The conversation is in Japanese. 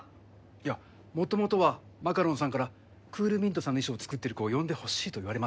いやもともとはマカロンさんからクールミントさんの衣装を作ってる子を呼んでほしいと言われまして。